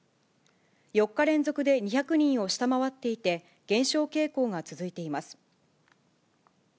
４日連続で２００人を下回っていて、減少傾向が続いています。